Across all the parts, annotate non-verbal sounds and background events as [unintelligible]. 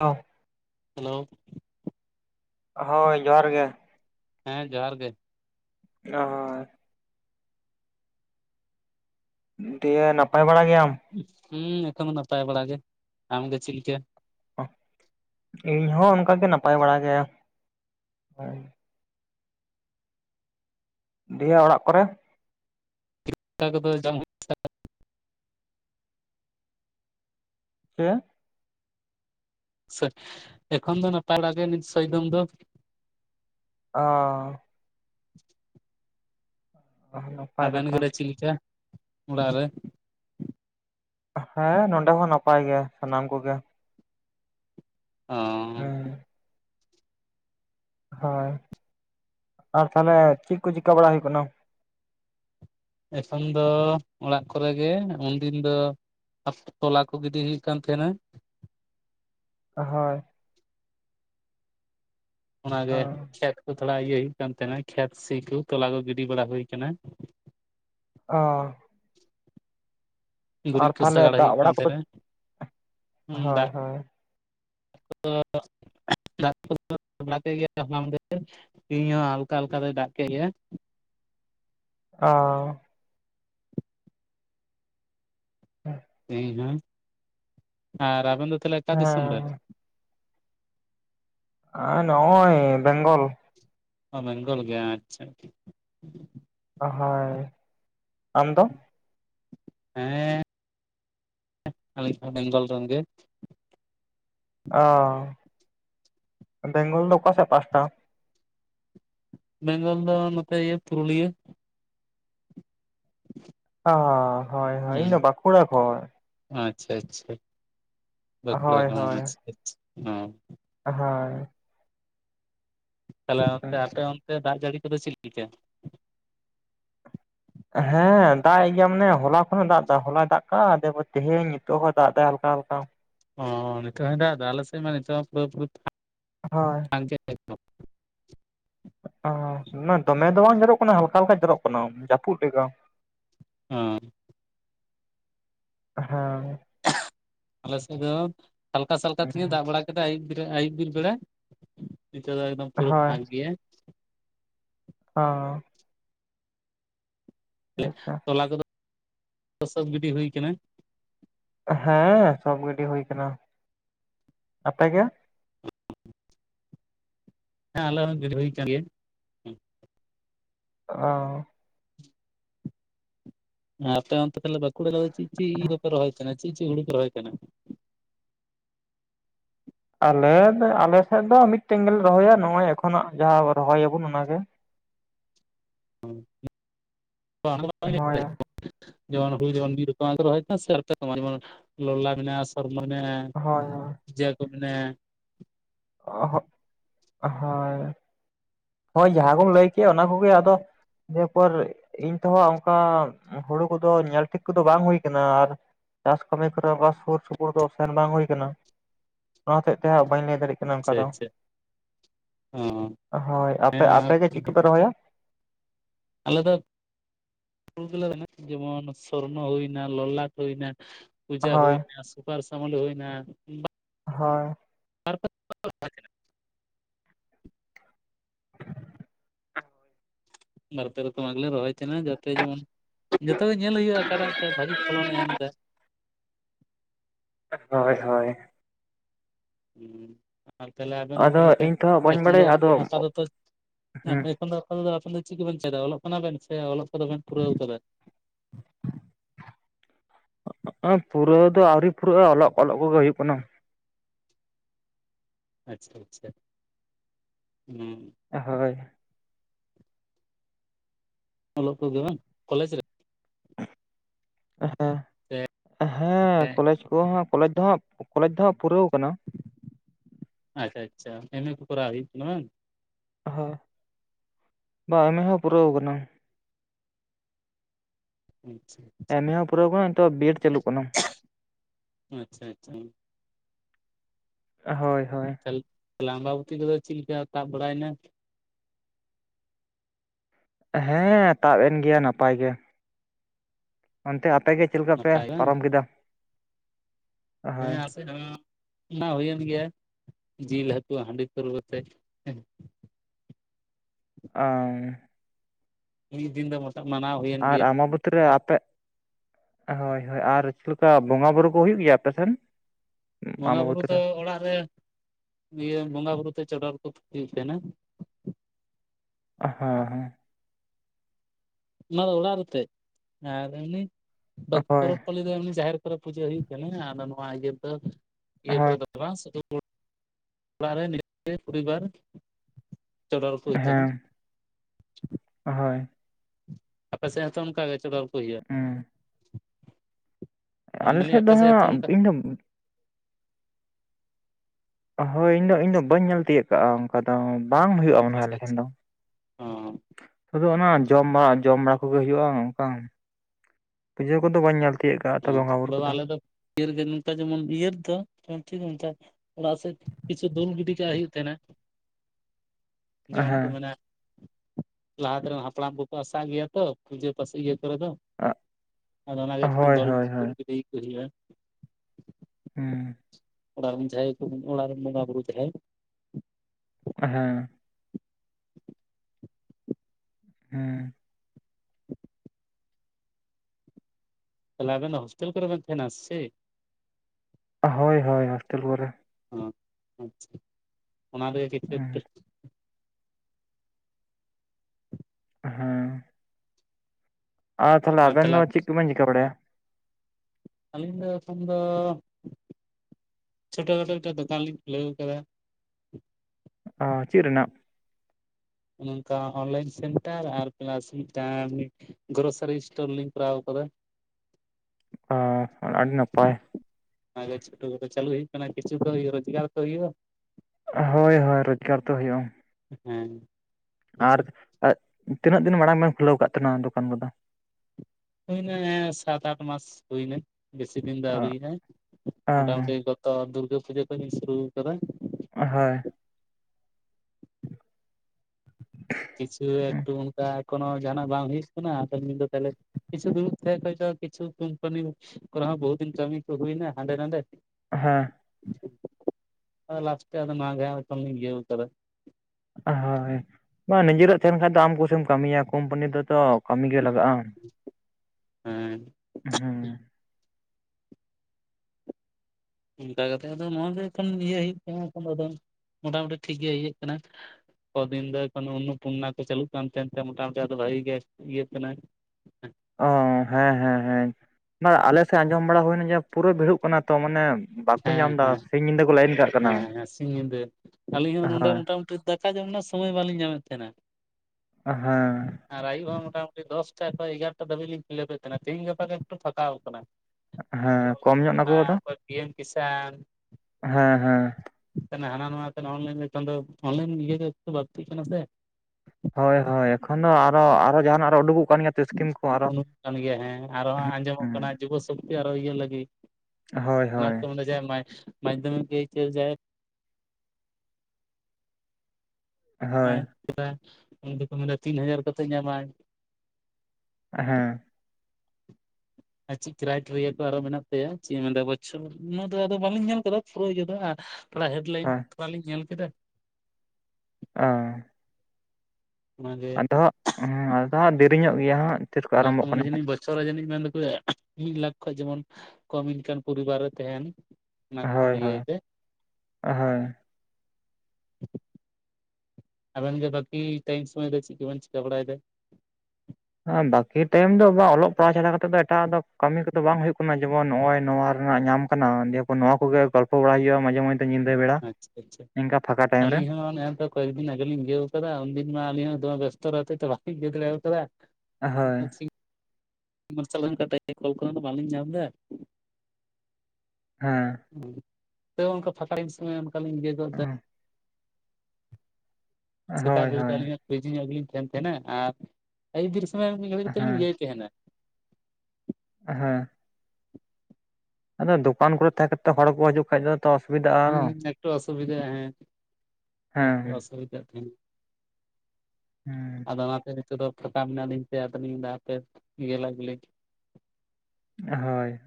ᱚᱣ hello ᱦᱳᱭ ᱡᱚᱦᱟᱨ ᱜᱮ ᱦᱮᱸ ᱡᱚᱦᱟᱨ ᱜᱮ ᱟᱨ ᱫᱤᱭᱮ ᱱᱟᱯᱟᱭ ᱵᱟᱲᱟ ᱜᱮᱭᱟᱢ? ᱦᱩᱸ ᱱᱚᱛᱮ ᱦᱸ ᱱᱟᱯᱟᱭ ᱵᱟᱲᱟ ᱜᱮ ᱟᱢᱜᱮ ᱪᱮᱫ ᱞᱮᱠᱟ? ᱤᱧ ᱦᱚᱸ ᱚᱱᱠᱟᱜᱮ ᱱᱟᱯᱟᱭ ᱵᱟᱲᱟ ᱜᱮᱭᱟ᱾ ᱰᱤᱦᱟᱸ ᱚᱲᱟᱜ ᱠᱚᱨᱮ ᱛᱟ ᱫᱚ ᱡᱚᱢ ᱪᱮᱫ ᱥᱮ ᱮᱠᱷᱚᱱ ᱫᱚ ᱱᱟᱯᱟᱭ ᱵᱟᱲᱟᱜᱮ ᱱᱤᱛ ᱥᱚᱭᱫᱚᱢ ᱫᱚ ᱚ [inaudible] ᱱᱟᱯᱟᱭ ᱟᱵᱮᱱ ᱠᱟᱛᱷᱟ [unintelligible] ᱚᱲᱟᱜ ᱨᱮ ᱦᱮᱸ ᱱᱚᱰᱮ ᱦᱚᱸ ᱱᱟᱯᱟᱭ ᱜᱮ ᱥᱟᱱᱟᱢ ᱠᱚᱜᱮ ᱦᱩᱸ [unintelligible] ᱦᱳᱭ ᱟᱨ ᱛᱟᱦᱞᱮ ᱪᱮᱫ ᱠᱚ ᱪᱤᱠᱟᱹ ᱵᱟᱲᱟ ᱦᱩᱭᱩᱜ ᱠᱟᱱᱟ ᱮᱠᱷᱚᱱ ᱫᱚ ᱚᱲᱟᱜ ᱠᱚᱨᱮ ᱜᱮ ᱩᱱ ᱫᱤᱱ ᱫᱚ [unintelligible] ᱛᱚᱞᱟ ᱠᱚ ᱜᱤᱰᱤ ᱦᱩᱭᱩᱜ ᱠᱟᱱ ᱛᱟᱦᱮᱱᱟ ᱦᱳᱭ ᱚᱱᱟᱜᱮ ᱠᱷᱮᱛ ᱠᱚ ᱛᱷᱚᱲᱟ ᱤᱭᱟᱹ ᱦᱩᱭᱩᱜ ᱠᱟᱱ ᱛᱟᱦᱮᱸᱱᱟ ᱠᱷᱮᱛ ᱥᱤ ᱠᱚ ᱛᱚᱞᱟ ᱠᱚ ᱜᱤᱰᱤ ᱵᱟᱲᱟ ᱦᱩᱭ ᱠᱟᱱᱟ᱾ ᱚ ᱟᱨ ᱜᱩᱨᱤᱡ ᱠᱚ ᱛᱟᱦᱞᱮ ᱥᱟᱜᱟᱲ ᱫᱟᱜ ᱦᱩᱭᱩᱜ ᱵᱟᱲᱟ ᱠᱟᱱ ᱠᱚ ᱛᱟᱦᱮᱸᱱᱟ ᱦᱳᱭ ᱦᱳᱭ [unintelligible] [unintelligible] [unintelligible] ᱛᱤᱦᱤᱧ ᱦᱚᱸ ᱦᱟᱞᱠᱟ ᱦᱟᱞᱠᱟ ᱫᱚᱭ ᱫᱟᱜ ᱠᱮᱫ ᱜᱮ [unintelligible] [unintelligible] [unintelligible] ᱟᱨ ᱟᱵᱮᱱ ᱫᱚ ᱛᱟᱦᱞᱮ ᱚᱠᱟ ᱫᱤᱥᱚᱢ ᱨᱮᱱ ᱦᱮᱸ [unintelligible] ᱱᱚᱜᱚᱭ ᱵᱮᱝᱜᱚᱞ ᱚ ᱵᱮᱝᱜᱚᱞ ᱜᱮ ᱟᱪᱪᱷᱟ ᱦᱳᱭ ᱟᱢ ᱫᱚ ᱦᱮᱸ ᱟᱹᱞᱤᱧ ᱦᱚᱸ ᱵᱮᱝᱜᱚᱞ ᱨᱮᱱ ᱜᱮ ᱚ ᱵᱮᱝᱜᱚᱞ ᱫᱚ ᱚᱠᱟ ᱥᱮᱫ ᱯᱟᱸᱥᱴᱟ ᱵᱮᱝᱚᱞ ᱫᱚ ᱱᱚᱛᱮ ᱤᱭᱟᱹ ᱯᱩᱨᱩᱞᱤᱭᱟᱹ [unintelligible] ᱚ ᱦᱳᱭ ᱦᱳᱭ ᱦᱩᱸ ᱤᱧ ᱫᱚ ᱵᱟᱸᱠᱩᱲᱟ ᱠᱷᱚᱡᱽ ᱟᱪᱪᱷᱟ ᱟᱪᱪᱷᱟ ᱵᱟᱸᱠᱩᱲᱟ ᱦᱳᱭ ᱠᱷᱚᱱ ᱦᱳᱭ ᱟᱪᱪᱷᱟ ᱟᱪᱪᱷᱟ ᱦᱚ ᱦᱳᱭ ᱛᱟᱦᱞᱮ ᱚᱱᱛᱮ ᱟᱯᱮ ᱚᱱᱛᱮ ᱫᱟᱜ ᱡᱟᱹᱲᱤ ᱠᱚᱫᱚ ᱪᱮᱫ ᱞᱮᱠᱟ ᱦᱮᱸ ᱫᱟᱜ ᱮᱫ ᱜᱮᱭᱟ ᱢᱟᱱᱮ ᱦᱚᱞᱟ ᱠᱷᱚᱱ ᱮ ᱫᱟᱜ ᱫᱟ ᱦᱚᱞᱟᱭ ᱫᱟᱜ ᱠᱟᱜ-ᱟ ᱛᱟᱯᱚᱨᱮ ᱛᱮᱦᱮᱧ ᱱᱤᱛᱚᱜ ᱦᱚᱸ ᱫᱟᱜ ᱫᱟᱭ ᱦᱟᱞᱠᱟ ᱦᱟᱞᱠᱟ ᱚ ᱱᱤᱛᱚᱜ ᱦᱚᱸ ᱫᱟᱜ ᱫᱟ ᱟᱞᱮ ᱥᱮᱫ ᱢᱟ ᱱᱤᱛᱚᱜ ᱯᱩᱨᱟᱹ ᱦᱳᱭ [unintelligible] ᱚ ᱱᱚ ᱫᱚᱢᱮ ᱫᱚ ᱵᱟᱝ ᱡᱚᱨᱚᱜ ᱠᱟᱱᱟ ᱦᱟᱞᱠᱟ ᱦᱟᱞᱠᱟ ᱡᱚᱨᱚᱜ ᱠᱟᱱᱟ ᱡᱟᱹᱯᱩᱫ ᱞᱮᱠᱟ [unintelligible] ᱦᱮ ᱟᱞᱮ ᱥᱮᱫ ᱫᱚ ᱦᱟᱞᱠᱟ ᱥᱟᱞᱠᱟ ᱛᱮᱜᱮ ᱫᱟᱜ ᱵᱟᱲᱟ ᱠᱮᱫᱟᱭ ᱯᱩᱨᱟᱹ ᱟᱭᱩᱵ ᱵᱮᱲ ᱵᱮᱲᱟ ᱱᱤᱛ ᱫᱚ ᱮᱠᱫᱚᱢ ᱯᱩᱨᱟᱹ ᱦᱳᱭ ᱯᱷᱟᱹᱠ ᱜᱤᱭᱟ ᱚ ᱟᱪᱪᱷᱟ [unintelligible] ᱛᱚᱞᱟ ᱠᱚᱫᱚ [unintelligible] ᱫᱚᱱ ᱜᱤᱰᱤ ᱦᱩᱭᱩ ᱟᱠᱟᱱᱟ ᱦᱮᱸ ᱥᱚᱵ ᱜᱟᱹᱰᱤ ᱦᱩᱭ ᱠᱟᱱᱟ ᱟᱯᱮ ᱜᱮ ᱦᱮᱸ ᱟᱞᱮ ᱦᱚᱸ ᱜᱤᱰᱤ ᱦᱩᱭ ᱠᱟᱱ ᱜᱮᱭᱟ ᱚ ᱦᱮ ᱟᱯᱮ ᱚᱱᱛᱮ ᱛᱟᱦᱞᱮ ᱵᱟᱸᱠᱩᱲᱟ ᱨᱮ ᱫᱚ ᱪᱤᱫ ᱪᱤᱫ ᱤᱭᱟᱹ ᱠᱚ ᱯᱮ ᱨᱚᱦᱚᱭ ᱠᱟᱱᱟ ᱪᱤᱫ ᱪᱤᱫ ᱦᱳᱲᱳ ᱠᱚ ᱨᱚᱦᱚᱭ ᱛᱟᱦᱮ ᱱᱟ ᱟᱞᱮ ᱫᱚ ᱟᱞᱮ ᱥᱮᱫ ᱫᱚ ᱢᱤᱫ ᱴᱮᱱ ᱜᱮᱞᱮ ᱨᱚᱦᱚᱭᱟ ᱱᱚᱜ-ᱚᱭ ᱮᱠᱷᱚᱱ ᱱᱟᱜ ᱡᱟᱸᱦᱟ ᱨᱚᱦᱚᱭ ᱟᱵᱚᱱ ᱚᱱᱟ ᱜᱮ [unintelligible] ᱦᱳᱭ [unintelligible] ᱡᱮᱢᱚᱱ [unintelligible] ᱢᱤᱫ ᱨᱚᱠᱚᱢ ᱟᱜ ᱨᱚᱦᱚᱭ ᱛᱟᱦᱮᱫᱟ ᱥᱮ ᱡᱮᱢᱚᱱ ᱞᱚᱞᱟᱴ ᱢᱮᱱᱟᱜᱼᱟ ᱥᱚᱨᱱᱚ ᱢᱮᱱᱟᱜᱼᱟ ᱦᱳᱭ ᱦᱳᱭ ᱡᱟᱹ ᱠᱳ ᱢᱟᱱᱮ ᱦᱳᱭ ᱦᱳᱭ ᱡᱟᱦᱟᱸ ᱠᱚᱢ ᱞᱟᱹᱭ ᱠᱮᱫ ᱚᱱᱟ ᱠᱚᱜᱮ ᱟᱫᱚ ᱱᱤᱭᱟᱹᱯᱚᱨ ᱤᱧ ᱛᱮᱦᱚᱸ ᱚᱱᱠᱟ ᱦᱳᱲᱳ ᱠᱚᱫᱚ ᱧᱮᱞ ᱴᱷᱤᱠ ᱠᱚᱫᱚ ᱵᱟᱝ ᱦᱩᱭ ᱟᱠᱟᱱᱟ ᱟᱨ ᱪᱟᱥ ᱠᱟᱹᱢᱤ ᱠᱚᱨᱮ ᱵᱟᱥ ᱥᱩᱨ ᱥᱩᱯᱩᱨ ᱫᱚ ᱥᱮᱱ ᱵᱟᱝ ᱦᱩᱭ ᱠᱟᱱᱟ ᱚᱱᱟ ᱦᱚᱛᱮᱡ ᱛᱮ ᱦᱟᱸᱜ ᱵᱟᱹᱧ ᱞᱟᱹᱭ ᱫᱟᱲᱤᱜ ᱼᱼ ᱠᱟᱱᱟ ᱚᱱᱠᱟ ᱟᱪᱪᱷᱟ ᱫᱚ ᱟᱪᱪᱷᱟ ᱚ ᱦᱳᱭ ᱦᱮᱸ ᱟᱯᱮ ᱚᱱᱟ ᱟᱯᱮ ᱜᱮ ᱴᱷᱤᱠ ᱪᱤᱜ ᱜᱮᱭᱟ ᱠᱚᱯᱮ ᱨᱚᱦᱚᱭᱟ? ᱟᱞᱮ ᱫᱚ ᱼᱼ [inaudible] ᱡᱮᱢᱚᱱ ᱥᱚᱨᱱᱚ ᱦᱩᱭᱱᱟ ᱞᱚᱞᱞᱟᱴ ᱦᱩᱭᱱᱟ ᱾ ᱯᱩᱡᱟᱹ ᱦᱳᱭ ᱦᱩᱭᱱᱟ ᱥᱩᱯᱟᱨᱥᱟᱢᱚᱞ ᱦᱩᱭᱱᱟ ᱾ ᱦᱳᱭ ᱾ ᱛᱟᱨᱯᱚᱨ ᱼᱼ ᱵᱟᱨ ᱯᱮ ᱨᱚᱠᱚᱢᱟᱜ ᱜᱮᱞᱮᱧ ᱨᱚᱦᱚᱭ ᱛᱟᱦᱮᱱᱟ ᱡᱟᱛᱮ ᱡᱮᱢᱚᱱ ᱡᱚᱛᱚ ᱜᱮ ᱧᱮᱞ ᱦᱩᱭᱩᱜ-ᱟ ᱚᱠᱟ ᱴᱟᱜ ᱫᱚ ᱵᱷᱟᱜᱤ ᱯᱷᱚᱞᱚᱱᱮ ᱮᱢ ᱫᱟ ᱾ ᱦᱳᱭ ᱦᱳᱭ ᱾ ᱟᱨ ᱛᱟᱦᱞᱮ ᱟᱵᱮᱱ ᱫᱚ ᱟᱫᱚ ᱛᱟᱦᱞᱮ ᱤᱧ ᱛᱚ ᱦᱟᱸᱜ ᱵᱟᱹᱧ ᱮᱠᱷᱚᱱ ᱫᱚ ᱵᱟᱲᱟᱭᱟ ᱟᱫᱚ ᱟᱯᱟ ᱛᱚᱛᱚ ᱛᱤᱱᱟᱹᱜ ᱟᱯᱮ ᱮᱠᱷᱮᱱ ᱫᱚ ᱟᱯᱟ ᱛᱚᱛᱚ ᱪᱤᱫ ᱠᱤᱵᱤᱱ ᱪᱤᱠᱟᱹᱭ ᱫᱟ ᱚᱞᱚᱜ ᱠᱟᱱᱟ ᱵᱮᱱ ᱥᱮ ᱚᱞ ᱠᱚᱫᱚ ᱵᱮᱱ ᱯᱩᱨᱟᱹᱣ ᱠᱟᱫᱟ? ᱯᱩᱨᱟᱹᱣ ᱫᱚ ᱟᱹᱣᱨᱤ ᱯᱩᱨᱟᱹᱜᱼᱟ ᱚᱞᱚᱜ ᱚᱞᱚᱜ ᱠᱚᱜᱮ ᱦᱩᱭᱩᱜ ᱠᱟᱱᱟ ᱾ ᱟᱪᱪᱷᱟ ᱟᱪᱪᱷᱟ ᱦᱩᱸ ᱾ ᱦᱳᱭ ᱾ ᱚᱞᱚᱜ ᱠᱚᱜᱮ ᱵᱟᱝ ᱠᱚᱞᱮᱡᱽ ᱨᱮ? ᱦᱮᱸ ᱦᱮᱸ ᱠᱚᱞᱮᱡᱽ ᱠᱚᱦᱚᱸ ᱠᱚᱞᱮᱡᱽ ᱫᱚᱦᱟᱸᱜ ᱠᱚᱞᱮᱡᱽ ᱫᱚᱦᱟᱸᱜ ᱯᱩᱨᱟᱹᱣ ᱟᱠᱟᱱᱟ ᱾ ᱟᱪᱪᱷᱟ ᱟᱪᱪᱷᱟ ᱮᱢᱮ ᱠᱚᱨᱟᱣ ᱦᱩᱭᱩᱜ ᱠᱟᱱᱟ ᱵᱟᱝ? ᱵᱟ ᱮᱢᱮ ᱦᱚᱸ ᱯᱩᱨᱟᱹᱣ ᱠᱟᱱᱟ ᱾ ᱟᱪᱪᱷᱟ ᱾ ᱮᱢᱮ ᱦᱚᱸ ᱯᱩᱨᱟᱹᱣ ᱠᱟᱱᱟ ᱱᱤᱛᱚᱜ ᱵᱤᱮᱰ ᱪᱟᱹᱞᱩᱜ ᱠᱟᱱᱟ ᱾ ᱟᱪᱪᱷᱟ ᱟᱪᱪᱷᱟ ᱾ ᱦᱳᱭ ᱦᱳᱭ ᱾ ᱟᱢᱵᱟᱵᱩᱛᱤ ᱠᱚᱫᱚ ᱪᱮᱫ ᱞᱮᱠᱟ ᱛᱟᱵ ᱵᱟᱲᱟᱭᱮᱱᱟ? ᱦᱮᱸ ᱛᱟᱵ ᱮᱱ ᱜᱮᱭᱟ ᱱᱟᱯᱟᱭ ᱜᱮ ᱾ ᱚᱱᱛᱮ ᱟᱯᱮ ᱜᱮ ᱪᱮᱫ ᱞᱮᱠᱟ ᱯᱮ ᱱᱟᱯᱟᱭ ᱵᱟᱝ ᱯᱟᱨᱚᱢ ᱠᱮᱫᱟ? ᱦᱮᱸ ᱦᱳᱭ ᱟᱥ ᱼᱼ [unintelligible] ᱢᱟ ᱦᱩᱭᱮᱱ ᱜᱮ ᱡᱤᱞ ᱦᱟᱹᱠᱩ ᱦᱟᱺᱰᱤ ᱯᱟᱨᱣᱟᱹ ᱛᱮ ᱾ ᱟ ᱼᱼ ᱤᱱ ᱫᱤᱱ ᱫᱚ [unintelligible] ᱢᱟᱱᱟᱣ ᱼᱼ ᱟᱨ ᱟᱢᱟᱵᱚᱛᱤ ᱨᱮ ᱟᱯᱮᱜ ᱼᱼ ᱦᱚᱭ ᱦᱚᱭ ᱟᱨ ᱪᱮᱫ ᱞᱮᱠᱟ ᱵᱚᱸᱜᱟ ᱵᱩᱨᱩ ᱠᱚ ᱦᱩᱭᱩᱜ ᱜᱮᱭᱟ ᱟᱯᱮᱥᱮᱱ? ᱵᱚᱸᱜᱟ ᱵᱩᱨᱩ ᱫᱚ ᱚᱲᱟᱜ ᱨᱮ ᱤᱭᱟᱹ ᱵᱚᱸᱜᱟ ᱵᱩᱨᱩ ᱛᱮ ᱪᱚᱰᱚᱨ ᱟᱠᱚ ᱦᱩᱭᱩᱜ ᱠᱟᱱᱟ ᱾ ᱦᱚᱸ ᱦᱚᱸ ᱾ [unintelligible] ᱦᱳᱭ ᱯᱩᱡᱟᱹ ᱦᱩᱭᱩᱜ ᱠᱟᱱᱟ ᱟᱫᱚ ᱱᱚᱣᱟ ᱤᱭᱟᱹ ᱨᱮᱫᱚ ᱤᱭᱟᱹ ᱦᱳᱭ ᱠᱚᱨᱮ ᱫᱚ ᱼᱼ [unintelligible] ᱦᱮᱸ ᱦᱚᱭ ᱾ ᱟᱯᱮ ᱥᱮᱫ ᱦᱚᱛᱚ ᱚᱱᱠᱟ ᱜᱮ ᱪᱚᱞᱚᱼᱼ ᱦᱩᱸ ᱼᱼ ᱟᱞᱮ ᱢᱮᱱᱫᱟᱞᱤᱧ ᱥᱮᱫ ᱫᱚ ᱟᱯᱮ ᱦᱚᱸᱛᱚ ᱦᱟᱸᱜ ᱚᱱᱠᱟ ᱤᱧᱫᱚ ᱼᱼ ᱦᱟᱭ ᱤᱧ ᱫᱚ ᱤᱧ ᱫᱚ ᱵᱟᱹᱧ ᱧᱮᱞ ᱛᱤᱭᱩᱜ ᱠᱟᱜᱼᱟ ᱚᱱᱠᱟ ᱫᱚ ᱵᱟᱝ ᱼᱼ ᱦᱩᱭᱩᱜᱼᱟ ᱟᱪᱪᱷᱟ ᱟᱞᱮ ᱴᱷᱮᱱ ᱟᱪᱪᱷᱟ ᱫᱚ ᱾ ᱦᱚᱸ ᱥᱩᱫᱩ ᱚᱱᱟ ᱡᱚᱢ ᱵᱟᱲᱟ ᱡᱚᱢ ᱵᱟᱲᱟ ᱠᱚᱜᱮ ᱦᱩᱭᱩᱜᱼᱟ ᱚᱱᱠᱟ ᱯᱩᱡᱟᱹ ᱠᱚᱫᱚ ᱵᱟᱹᱧ ᱧᱮᱞᱼᱼ ᱛᱤᱭᱟᱜ ᱠᱟᱜᱼᱟ ᱦᱚᱸ ᱵᱚᱸᱜᱟ ᱵᱩᱨᱩ ᱵᱟᱵᱟ ᱠᱚᱫᱚ ᱾ ᱟᱞᱮ [unintelligible] ᱚᱲᱟᱜ ᱥᱮᱫ ᱠᱤᱪᱷᱩ ᱫᱩᱞ ᱜᱤᱰᱤ ᱠᱟᱜ ᱦᱩᱭᱩᱜ ᱛᱟᱦᱮᱱᱟ ᱾ [inaudible] ᱡᱮᱢᱚᱱ ᱠᱚ ᱦᱮᱸ ᱢᱮᱱᱟᱼᱼ ᱞᱟᱦᱟ ᱛᱮᱨᱮᱦᱚᱸ ᱦᱟᱯᱲᱟᱢ ᱠᱚᱠᱚ ᱟᱥᱟᱜ ᱜᱮᱭᱟ ᱛᱚ ᱯᱩᱡᱟᱹ ᱯᱟᱥᱮ ᱤᱭᱟᱹ ᱠᱚᱨᱮ ᱫᱚ᱾ [unintelligible] ᱦᱩᱸ᱾ [unintelligible] ᱦᱮᱸ᱾ ᱦᱩᱸ᱾ ᱛᱟᱦᱚᱞᱮ ᱟ. ᱵᱤᱱ ᱫᱚ ᱦᱚᱥᱴᱮᱞ ᱠᱚᱨᱮ ᱵᱮᱴᱤᱱ ᱛᱟᱦᱮᱱᱟ ᱥᱮ? ᱦᱚᱭ ᱦᱚᱭ ᱦᱚᱥᱴᱮᱞ ᱠᱚᱨᱮ᱾ ᱚ ᱟᱪᱷᱟ ᱚᱱᱟ ᱛᱮᱜᱮ ᱠᱤᱪᱷᱩ ᱮᱠᱴᱟ ᱦᱩᱸ, [inaudible] ᱦᱩ᱾ᱸ ᱟᱨ ᱛᱟᱦᱞᱮ ᱟ. ᱵᱤᱱ ᱫᱚ ᱪᱤᱫ ᱠᱚᱵᱤᱱ ᱪᱤᱠᱟᱹ ᱵᱟᱲᱟᱭᱟ? ᱟᱹᱞᱤᱧ ᱫᱚ ᱮᱠᱷᱚᱱ ᱫᱚ ᱪᱷᱚᱴᱚ ᱠᱷᱟᱴᱚ ᱢᱤᱫᱴᱟ. ᱝ ᱫᱚᱠᱟᱱ ᱞᱤᱧ ᱠᱷᱩᱞᱟᱹᱣ ᱠᱟᱫᱟ ᱾ ᱚ ᱪᱮᱫ ᱨᱮᱱᱟᱜ? ᱚᱱ ᱚᱝᱠᱟ ᱚᱱᱞᱟ. ᱭᱤᱱ ᱥᱮᱱᱴᱟᱨ ᱟᱨ ᱯᱞᱟᱥ ᱢᱤᱫᱴᱟᱝ ᱜᱨᱚᱥᱟᱨᱤ ᱤᱥᱴᱚᱨ ᱞᱤᱧ ᱠᱚᱨᱟᱣ ᱟᱠᱟᱫᱟ᱾ ᱚ ᱟᱹᱰᱤ ᱱᱟᱯᱟᱭ᱾ ᱦᱮᱸ ᱪᱷᱚᱴᱚ ᱠᱷᱟᱴᱚ ᱪᱟᱹᱞᱩ ᱦᱩᱭᱩᱜ ᱠᱟᱱᱟ ᱠᱤᱪᱷᱩᱠ ᱫᱚ ᱦᱩᱭᱩᱜ ᱨᱚᱡᱽᱜᱟᱨ ᱫᱚ ᱦᱩᱭᱩᱜᱼᱟ᱾ ᱦᱟᱭ ᱦᱚᱭ ᱨᱚᱡᱽᱜᱟᱨ ᱛᱚ ᱦᱩᱭᱩᱜᱼᱟ᱾ ᱦᱮᱸ᱾ ᱟᱨ ᱠᱤᱪᱷᱩ ᱛᱤᱱᱟᱹᱜ ᱫᱤᱱ ᱢᱟᱲᱟᱝ ᱵᱤᱤᱱ ᱠᱷᱩᱞᱟᱹᱣ ᱟᱠᱟᱫ ᱛᱟᱦᱮᱱᱟ ᱫᱚᱠᱟᱱ ᱠᱚᱫᱚ? ᱦᱩᱭᱱᱟ ᱥᱟᱛ ᱟᱴ ᱢᱟᱥ ᱦᱩᱭᱱᱟ ᱵᱤᱥᱤ ᱫᱤᱱ ᱫᱚ ᱚ ᱟᱹᱣᱨᱤᱭᱟ-ᱟ ᱢᱚᱴᱟ ᱢᱩᱴᱤ ᱛᱚ ᱫᱩᱨᱜᱟᱹ ᱯᱩᱡᱟᱹ ᱠᱷᱚᱱ ᱞᱤᱧ ᱥᱩᱨᱩ ᱟᱠᱟᱫᱟ᱾ ᱚᱦᱳᱭ ᱠᱤᱪᱷᱩ ᱦᱮᱸ, ᱮᱠᱴᱩ ᱚᱱᱠᱟ ᱠᱳᱱᱳ ᱡᱟᱦᱟᱱᱟᱜ ᱵᱟᱝ ᱦᱩᱭᱩᱜ ᱠᱟᱱᱟ ᱟᱫᱚ ᱱᱮᱛ ᱫᱚ ᱛᱟᱦᱞᱮ ᱠᱤᱪᱷᱩ ᱫᱩᱲᱵ ᱛᱟᱦᱮᱸ ᱠᱷᱚᱡᱽ ᱫᱚ ᱠᱤᱪᱷᱩ ᱠᱚᱢᱯᱟᱱᱤ ᱠᱚᱨᱮ ᱦᱚᱸ ᱵᱚᱦᱩ ᱫᱤᱱ ᱠᱟᱢᱤ ᱠᱚ ᱦᱩᱭᱮᱱᱟ ᱦᱟᱸᱰᱮ ᱱᱟᱸᱰᱮ ᱦᱮᱸ ᱞᱟᱥᱴᱮ ᱟᱫᱚ ᱱᱚᱣᱟᱜᱮ ᱮᱠᱷᱚᱱ ᱞᱤᱧ ᱤᱭᱟᱹᱣ ᱠᱟᱫᱟ ᱦᱳᱭ ᱵᱟᱸ ᱱᱤᱡᱮᱨᱟᱜ ᱛᱟᱦᱮᱱ ᱠᱷᱟᱱ ᱫᱚ ᱟᱢ ᱠᱩᱥᱤᱢ ᱠᱟᱹᱢᱤᱭᱟ ᱠᱳᱢᱯᱟᱱᱤ ᱫᱚᱛᱚ ᱠᱟᱹᱢᱤ ᱜᱮ ᱞᱟᱜᱟ ᱼᱟ ᱦᱮᱸ ᱦᱩᱸ ᱚᱱᱠᱟ ᱠᱟᱛᱮ ᱟᱫᱚ ᱱᱚᱜᱼᱚᱭ ᱮᱠᱷᱚᱱ ᱤᱭᱟᱹ ᱦᱩᱭᱩᱜ ᱠᱟᱱᱟ ᱟᱫᱚ ᱢᱳᱴᱟᱢᱩᱴᱤ ᱴᱷᱤᱠ ᱜᱮ ᱤᱭᱟᱹᱜ ᱠᱟᱱᱟ ᱠᱚᱫᱤᱱ ᱫᱚ ᱮᱠᱷᱮᱱ ᱚᱱᱱᱚᱯᱩᱱᱱᱟ ᱠᱚ ᱪᱟᱹᱞᱩᱜ ᱠᱟᱱ ᱛᱮᱱ ᱛᱮ ᱢᱚᱴᱟᱢᱩᱴᱤ ᱵᱷᱟᱹᱜᱤ ᱜᱮ ᱤᱭᱟᱹ ᱠᱟᱱᱟ ᱚ ᱦᱮᱸ ᱦᱮᱸ ᱦᱮᱸ ᱱᱚᱣᱟ ᱟᱞᱮ ᱥᱮᱱ ᱟᱸᱡᱚᱢ ᱵᱟᱲᱟ ᱦᱩᱭᱱᱟ ᱡᱮ ᱯᱩᱨᱟᱹ ᱵᱷᱤᱲᱚᱜ ᱠᱟᱱᱟ ᱛᱚ ᱢᱟᱱᱮ ᱵᱟᱠᱚ ᱧᱟᱢ ᱦᱮᱸ ᱫᱟ ᱦᱮᱸ ᱥᱤᱧ ᱧᱤᱫᱟᱹ ᱠᱚ ᱞᱟᱭᱤᱱ ᱠᱟᱜ ᱠᱟᱱᱟ ᱦᱮᱸ ᱥᱤᱧ ᱧᱤᱫᱟᱹ ᱟᱹᱞᱤᱧ ᱦᱚᱸ ᱱᱚᱰᱮ ᱦᱳᱭ ᱢᱚᱴᱟᱢᱩᱴᱤ ᱫᱟᱠᱟ ᱡᱚᱢ ᱨᱮᱱᱟᱜ ᱥᱚᱢᱚᱭ ᱵᱟᱞᱤᱧ ᱧᱟᱢᱮᱫ ᱛᱟᱦᱮᱱᱟ ᱚᱦᱚᱸ ᱟᱨ ᱟᱹᱭᱩᱵ ᱦᱚᱸ ᱢᱚᱴᱟᱢᱩᱴᱤ ᱫᱚᱥᱴᱟ ᱠᱷᱚᱡᱽ ᱮᱜᱟᱨᱚᱴᱟ ᱫᱷᱟᱹᱵᱤᱡᱽ ᱞᱤᱧ ᱯᱷᱤᱞᱟᱯᱮᱫ ᱛᱟᱦᱮᱱᱟ ᱛᱤᱦᱤᱧ ᱜᱟᱯᱟᱜᱮ ᱯᱷᱟᱠᱟᱣ ᱠᱟᱱᱟ ᱦᱮᱸ ᱠᱚᱢ ᱧᱚᱜ ᱱᱟᱠᱚ ᱟᱫᱚ ᱯᱤ ᱮᱢ ᱠᱤᱥᱟᱱ ᱦᱮᱸ ᱦᱮᱸ ᱠᱟᱱᱟ ᱦᱟᱱᱟ ᱱᱚᱣᱟ ᱠᱟᱱᱟ ᱚᱱᱞᱟᱭᱤᱱ ᱱᱮᱛᱚᱜ ᱫᱚ ᱚᱱᱞᱟᱭᱤᱱ ᱤᱭᱟᱹ ᱠᱚ ᱵᱟᱲᱛᱤ ᱠᱟᱱᱟ ᱥᱮ ᱦᱳᱭ ᱦᱳᱭ ᱮᱠᱷᱚᱱ ᱫᱚ ᱟᱨᱚ ᱟᱨᱚ ᱡᱟᱦᱟᱸᱱᱟᱜ ᱚᱱᱩᱥᱴᱷᱟᱱᱨ ᱠᱟᱱ ᱜᱮᱭ ᱦᱮᱸ ᱟᱨᱚ ᱦᱟᱸᱜ ᱟᱸᱡᱚᱢᱚᱜ ᱠᱟᱱᱟ ᱦᱩᱸ ᱡᱩᱵᱚ ᱥᱚᱠᱛᱤ ᱟᱨᱚ ᱤᱭᱟᱹ ᱞᱟᱹᱜᱤᱫ ᱦᱳᱭ ᱚᱱᱟ ᱠᱚ ᱦᱳᱭ ᱢᱮᱱᱫᱟ ᱡᱮ ᱢᱟᱫᱷᱭᱚᱢᱤᱠ ᱮᱭᱟᱹ ᱡᱟᱹᱭᱦᱚᱠ [unintelligible] ᱦᱳᱭ [unintelligible] ᱩᱱᱤ ᱫᱚᱠᱚ ᱢᱮᱱᱟ ᱛᱤᱱ ᱦᱟᱡᱟᱨ ᱠᱟᱛᱮᱫ ᱧᱟᱢᱟᱭ ᱦᱮᱸ ᱟᱨ ᱪᱮᱫ ᱠᱨᱟᱭᱴᱮᱨᱤᱭᱟ ᱠᱚ ᱟᱨᱚ ᱢᱮᱱᱟᱜ ᱛᱟᱭᱟ ᱪᱮᱫ ᱢᱮᱱᱫᱟ ᱵᱚᱪᱷᱚᱨ ᱩᱱᱟᱹ ᱫᱚ ᱟᱫᱚ ᱵᱟᱹᱞᱤᱧ ᱧᱮᱞ ᱠᱟᱫᱟ ᱯᱩᱨᱟᱹ ᱤᱭᱟᱹ ᱫᱚ ᱛᱷᱚᱲᱟ ᱦᱮᱸᱰᱞᱟᱭᱤᱱ ᱦᱳᱭ ᱛᱷᱚᱲᱟ ᱞᱤᱧ ᱧᱮᱞ ᱠᱮᱫᱟ ᱚᱸ ᱚᱱᱟᱜᱮ ᱟᱫᱚ ᱦᱟᱸᱜ ᱟᱫᱚ ᱦᱟᱸᱜ ᱫᱮᱨᱤᱧᱚᱜ ᱜᱮᱭᱟ ᱦᱟᱸᱜ ᱛᱤᱥ ᱠᱚ ᱚᱱᱟᱠᱚ ᱟᱨᱟᱢᱵᱷᱚᱜ ᱢᱟᱱᱮ ᱠᱟᱱᱟ ᱦᱟᱸᱜ ᱡᱤᱱᱤᱥ ᱵᱚᱪᱷᱚᱨ ᱥᱚᱨ ᱨᱮ ᱡᱟᱹᱱᱤᱡ ᱢᱮᱱ ᱫᱟᱠᱚ ᱢᱤᱫ ᱞᱟᱠᱷ ᱠᱷᱚᱱ ᱡᱮᱢᱚᱱ ᱠᱚᱢ ᱤᱱᱠᱟᱢ ᱯᱚᱨᱤᱵᱟᱨ ᱨᱮ ᱛᱟᱦᱮᱱ ᱚᱱᱟ ᱠᱩ ᱦᱳᱭ ᱦᱳᱭ ᱞᱟᱹᱭ ᱛᱮ ᱦᱳᱭ᱾ ᱟᱵᱮᱱ ᱜᱮ ᱵᱟᱹᱠᱤ ᱴᱟᱭᱤᱢ ᱥᱚᱢᱚᱭ ᱨᱮ ᱪᱮᱫ ᱠᱚᱵᱮᱱ ᱪᱤᱠᱟᱹ ᱵᱟᱲᱟᱭᱫᱟ᱾ ᱵᱟᱹᱠᱤ ᱴᱟᱭᱤᱢ ᱫᱚ ᱵᱟ ᱚᱞᱚᱜ ᱯᱟᱲᱦᱟᱣ ᱪᱷᱟᱰᱟ ᱠᱟᱛᱮᱫ ᱫᱚ ᱮᱴᱟᱜᱟᱜ ᱫᱚ ᱠᱟᱹᱢᱤ ᱠᱚᱫᱚ ᱵᱟᱝ ᱦᱩᱭᱩᱜ ᱠᱟᱱᱟ ᱡᱮᱢᱚᱱ ᱱᱚᱜᱼᱚᱭ ᱱᱚᱣᱟ ᱨᱮᱱᱟᱜ ᱧᱟᱢ ᱠᱟᱱᱟ ᱫᱤᱭᱮ ᱯᱚᱨ ᱱᱚᱣᱟ ᱠᱚᱜᱮ ᱜᱚᱞᱯᱚ ᱵᱟᱲᱟᱭ ᱦᱩᱭᱩᱜᱭᱼᱟ ᱢᱟᱡᱷᱮ ᱢᱳᱭᱫᱦᱮ ᱧᱤᱫᱟᱹ ᱵᱮᱲᱟ ᱟᱪᱪᱷᱟ ᱟᱪᱪᱷᱟ ᱤᱱᱠᱟ ᱯᱷᱟᱸᱠᱟ ᱴᱟᱭᱤᱢ ᱨᱮ [unintelligible] ᱠᱚᱭᱮᱠ ᱫᱤᱱ ᱟᱜᱮᱞᱤᱧ ᱤᱭᱟᱹᱣ ᱠᱟᱫᱟ ᱩᱱᱫᱤᱱ ᱢᱟ ᱟᱹᱞᱤᱧ ᱦᱚᱸ ᱫᱚᱢᱮ ᱵᱮᱥᱛᱚᱨᱮ ᱦᱚᱛᱮᱛᱮ ᱵᱟᱞᱤᱧ ᱤᱭᱟᱹ ᱫᱟᱲᱮᱣ ᱠᱟᱫᱟ᱾ ᱦᱳᱭ [unintelligible] ᱢᱟᱨᱥᱚᱞ ᱮᱢ ᱠᱟᱛᱮ ᱠᱚᱞ ᱠᱚᱦᱚᱸ ᱵᱟᱞᱤᱧ ᱧᱟᱢ ᱫᱟ ᱦᱮᱸ᱾ ᱛᱚ ᱚᱱᱠᱟ ᱯᱷᱟᱠᱟᱲᱤᱱ [unintelligible] ᱥᱚᱢᱚᱭ ᱚᱱᱠᱟ ᱞᱤᱧ ᱤᱭᱟᱹ ᱜᱚᱫ ᱫᱟ᱾ ᱥᱮᱛᱟᱜ ᱦᱳᱭ ᱵᱮᱨ ᱫᱚ ᱦᱳᱭ ᱟᱹᱞᱤᱧ ᱦᱚᱸ ᱵᱤᱡᱤ ᱧᱚᱜ ᱜᱮᱞᱤᱧ ᱛᱟᱦᱮᱸᱱ ᱛᱟᱦᱮᱸᱱᱟ ᱟᱨ ᱟᱹᱭᱩᱵ ᱵᱮᱨ ᱥᱚᱢᱚᱭ ᱢᱤᱫ ᱜᱷᱟᱹᱲᱤ ᱠᱟᱛᱮᱫ ᱞᱤᱧ ᱦᱮᱸ ᱤᱭᱟᱹ ᱛᱟᱦᱮᱱᱟ᱾ ᱚᱦᱚᱸ ᱟᱫᱚ ᱫᱚᱠᱟᱱ ᱠᱚᱨᱮ ᱛᱟᱦᱮᱸ ᱠᱟᱛᱮᱫ ᱦᱚᱲ ᱠᱚ ᱦᱤᱡᱩᱜ ᱠᱷᱟᱡᱽ ᱫᱚ᱾ ᱛᱚ ᱚᱥᱩᱵᱤᱫᱷᱟ ᱦᱮᱸ ᱮᱠᱴᱩ ᱚᱥᱩᱵᱤᱫᱟᱜ ᱦᱮᱸ ᱮᱠᱴᱩ ᱦᱮᱸ ᱚᱥᱩᱵᱤᱫᱟᱜ ᱛᱟᱦᱮᱸᱱ ᱦᱩᱸ ᱟᱫᱚ ᱚᱱᱟᱛᱮ ᱱᱤᱛᱳᱜ ᱫᱚ ᱯᱷᱚᱠᱟ ᱢᱮᱱᱟᱜ ᱞᱤᱧ ᱛᱮ ᱟᱫᱚᱞᱤᱧ ᱢᱮᱱᱫᱟ ᱦᱟᱯᱮ ᱤᱭᱟᱹ ᱞᱮ ᱜᱮᱞᱤᱧ ᱦᱳᱭ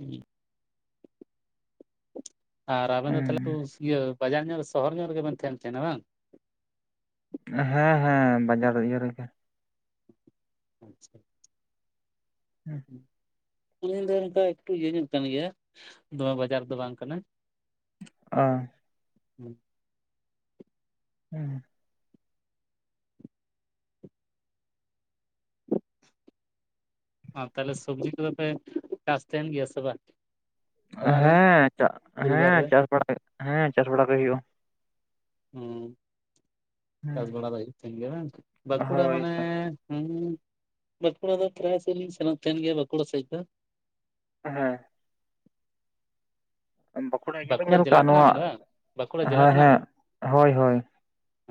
ᱸ [unintelligible] ᱟᱨ ᱟᱵᱮᱱ ᱫᱚ ᱛᱟᱦᱞᱮ ᱦᱮᱸ ᱤᱭᱟᱹ ᱵᱟᱡᱟᱨ ᱧᱚᱜ ᱥᱚᱦᱚᱨ ᱧᱚᱜ ᱨᱮᱜᱮᱵᱮᱱ ᱛᱟᱦᱮᱸᱱ ᱛᱟᱦᱮᱸᱱᱟ ᱵᱟᱝ᱾ ᱦᱮᱸ ᱦᱮᱸ ᱵᱟᱡᱟᱨ ᱤᱭᱟᱹ ᱨᱮᱜᱮ᱾ ᱟᱪᱪᱷᱟ᱾ ᱦᱩᱸ [inaudible] ᱤᱧ [unintelligible] ᱫᱚ ᱚᱱᱠᱟ ᱮᱠᱴᱩ ᱤᱭᱟᱹ ᱧᱚᱜ ᱠᱟᱱ ᱜᱮᱭᱟ ᱫᱚᱢᱮ ᱵᱟᱡᱟᱨ ᱫᱚ ᱵᱟᱝ ᱠᱟᱱᱟ᱾ ᱟ᱾ ᱦᱮᱸ᱾ ᱦᱩᱸ᱾ ᱚ ᱛᱟᱦᱞᱮ ᱥᱚᱵᱡᱤ ᱠᱚᱫᱚ ᱯᱮ ᱪᱟᱥ ᱛᱟᱦᱮᱱ ᱜᱮᱭᱟ ᱥᱮ ᱵᱟᱝ᱾ ᱚᱲᱟᱜ ᱨᱮ ᱦᱮᱸ ᱪᱟ ᱯᱚᱨᱤᱵᱟᱨ ᱦᱮᱸ ᱨᱮ ᱪᱟᱥ ᱵᱟᱲᱟ ᱦᱮᱸ ᱪᱟᱥ ᱵᱟᱲᱟ ᱜᱮ ᱦᱩᱭᱩᱜᱼᱟ᱾ ᱦᱮᱸ ᱪᱟᱥ ᱵᱷᱲᱟ ᱫᱚ ᱦᱩᱭᱩᱜ ᱛᱟᱦᱮᱱ ᱜᱮᱭᱟ ᱵᱟᱝ ᱵᱟᱸᱠᱩᱲᱟ ᱦᱳᱭ ᱢᱟᱱᱮ᱾ ᱦᱮᱸ ᱦᱮᱸ ᱵᱟᱸᱠᱩᱲᱟ ᱫᱚ ᱯᱨᱟᱭ ᱥᱮᱫᱞᱤᱧ ᱥᱮᱱᱚᱜ ᱛᱟᱦᱮᱱ ᱜᱮᱭᱟ ᱵᱟᱸᱠᱩᱲᱟ ᱥᱮᱡ ᱫᱚ᱾ ᱦᱮᱸ᱾ ᱤᱭᱟᱹ ᱵᱟᱹᱧ ᱵᱟᱸᱠᱩᱲᱟ ᱧᱮᱞ ᱡᱮᱞᱟ ᱠᱟᱜᱼᱟ ᱠᱟᱱᱟ ᱱᱚᱣᱟ ᱵᱮᱱ ᱵᱟᱝ ᱵᱟᱸᱠᱩᱲᱟ ᱡᱮᱞᱟ ᱦᱮᱸ ᱠᱟᱱᱟ ᱦᱮᱸ ᱵᱮᱱ᱾ ᱦᱳᱭ ᱦᱳᱭ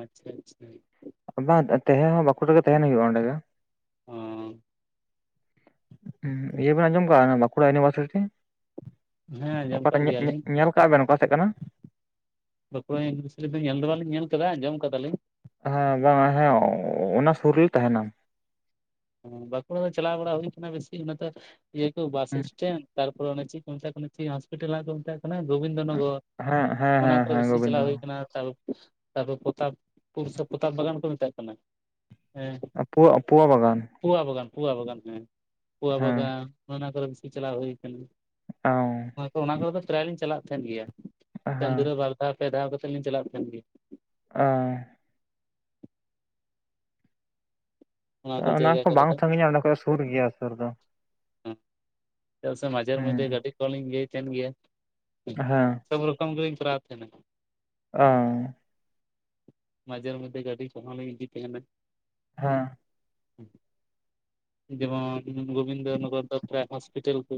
ᱟᱪᱪᱷᱟ ᱟᱪᱪᱷᱟ᱾ ᱵᱟᱝ ᱛᱟᱦᱮᱸ ᱦᱚᱸ ᱵᱟᱸᱠᱩᱲᱟ ᱨᱮᱜᱮ ᱛᱟᱦᱮᱱ ᱦᱩᱭᱩᱜᱼᱟ ᱚᱸᱰᱮ ᱜᱮ᱾ ᱚ᱾ ᱤᱭᱟᱹᱵᱮᱱ ᱟᱡᱚᱢ ᱠᱟᱜᱼᱟ ᱚᱱᱟ ᱵᱟᱸᱠᱩᱲᱟ ᱤᱭᱩᱱᱤᱵᱷᱟᱨᱥᱤᱴᱤ᱾ ᱦᱮᱸ ᱟᱸᱡᱚᱢ ᱚᱠᱟ ᱠᱟᱜ ᱜᱮᱭᱟᱞᱤᱧ [unintelligible] ᱧᱮᱞ ᱠᱟᱜᱼᱟ ᱵᱮᱱ ᱚᱠᱟ ᱥᱮᱫ ᱠᱟᱱᱟ᱾ ᱵᱟᱸᱠᱩᱲᱟ ᱤᱭᱩᱱᱤᱵᱷᱟᱨᱥᱤᱴᱤ ᱫᱚ ᱧᱮᱞ ᱫᱚ ᱵᱟᱞᱤᱧ ᱧᱮᱞ ᱠᱟᱫᱟ ᱟᱸᱡᱚᱢ ᱟᱠᱟᱫᱟᱞᱤᱧ᱾ ᱦᱮᱸ ᱵᱟᱝ ᱦᱮᱸ ᱚᱱᱟ ᱥᱩᱨ ᱨᱮᱜᱮ ᱛᱟᱦᱮᱱᱟ᱾ ᱵᱟᱸᱠᱩᱲᱟ ᱫᱚ ᱪᱟᱞᱟᱣ ᱵᱟᱲᱟ ᱦᱩᱭ ᱟᱠᱟᱱᱟ ᱵᱮᱥᱤ ᱚᱱᱟ ᱛᱚ ᱤᱭᱟᱹ ᱠᱚ ᱵᱟᱥ ᱥᱴᱮᱱᱰ ᱛᱟᱨ ᱯᱚᱨᱮ ᱚᱱᱮ ᱪᱮᱫ ᱠᱚ ᱢᱮᱛᱟᱜ ᱠᱟᱱᱟ ᱪᱮᱫ ᱦᱚᱸᱥᱯᱤᱴᱟᱞ ᱦᱟᱸᱜ ᱠᱚ ᱢᱮᱛᱟᱜ ᱠᱟᱱᱟ ᱜᱳᱵᱤᱱᱫᱚ ᱱᱚᱜᱚᱨ᱾ ᱦᱮᱸ ᱦᱮᱸ ᱚᱱᱟ ᱦᱮᱸ ᱠᱚᱨᱮ ᱦᱮᱸ ᱵᱮᱥᱤ ᱪᱟᱞᱟᱣ ᱜᱳᱵᱤᱱᱫᱚ ᱦᱩᱭ ᱠᱟᱱᱟ [unintelligible] ᱛᱟᱯᱚᱨ ᱯᱚᱛᱟᱵᱯᱩᱨ ᱥᱮ ᱯᱚᱛᱟᱯ ᱵᱟᱜᱟᱱ ᱠᱚ ᱢᱮᱛᱟᱜ ᱠᱟᱱᱟ ᱦᱮᱸ᱾ ᱚ ᱯᱚᱣᱟ [unintelligible] ᱯᱚᱣᱟ ᱵᱟᱜᱟᱱ ᱯᱩᱣᱟ ᱵᱟᱜᱟᱱ ᱯᱩᱣᱟ ᱵᱟᱜᱟᱱ ᱦᱮᱸ ᱯᱩᱣᱟ ᱦᱮᱸ ᱵᱟᱜᱟᱱ ᱚᱱᱟᱼᱚᱱᱟ ᱠᱚᱨᱮ ᱵᱤᱥᱤ ᱪᱟᱞᱟᱣ ᱦᱩᱭ ᱟᱠᱟᱱᱟ᱾ ᱦᱮᱸ ᱦᱳᱭ ᱚᱱᱟ ᱠᱚᱨᱮ ᱫᱚ ᱯᱨᱟᱭ ᱞᱤᱧ ᱪᱟᱞᱟᱜ ᱛᱟᱦᱮᱱ ᱜᱮᱭᱟ᱾ ᱪᱟᱸᱫᱚ ᱨᱮ ᱵᱟᱨᱫᱷᱟᱣ ᱯᱮ ᱫᱷᱟᱣ ᱠᱟᱛᱮᱫ ᱞᱤᱧ ᱪᱟᱞᱟᱜ ᱛᱟᱦᱮᱸᱱ ᱜᱮᱭᱟ᱾ ᱚᱸ ᱚᱱᱟ ᱡᱟᱭᱜᱟ ᱠᱚ ᱠᱚᱨᱮ ᱵᱟᱝ ᱫᱚ ᱥᱟᱹᱜᱤᱧᱟ ᱚᱸᱰᱮ ᱠᱷᱚᱡ ᱥᱩᱨ ᱜᱮᱭᱟ ᱥᱩᱨ ᱫᱚ᱾ ᱪᱮᱫᱟᱜ ᱥᱮ ᱢᱟᱡᱷᱮᱨ ᱢᱚᱫᱽᱫᱷᱮ ᱦᱮᱸ ᱜᱟᱹᱰᱤ ᱠᱚ ᱞᱤᱧ ᱤᱭᱟᱹᱭ ᱛᱟᱦᱮᱸᱱ ᱜᱮᱭᱟ᱾ ᱦᱮᱸ᱾ ᱥᱚᱵ ᱨᱚᱠᱚᱢ ᱜᱮᱞᱤᱧ ᱠᱚᱨᱟᱣ ᱛᱟᱦᱮᱸᱱᱟ ᱚᱸ ᱢᱟᱡᱮᱟᱨ ᱢᱚᱫᱫᱷᱮ ᱜᱟᱹᱰᱤ ᱠᱚ ᱦᱚᱸ ᱞᱤᱧ ᱤᱫᱤᱭ ᱛᱟᱦᱮᱸᱱᱟ᱾ ᱦᱮᱸ᱾ ᱡᱮᱢᱚᱱ ᱜᱳᱵᱤᱱᱫᱚ ᱱᱚᱜᱚᱨ ᱫᱚ ᱯᱨᱟᱭ ᱦᱚᱥᱯᱤᱴᱟᱞ ᱠᱚ᱾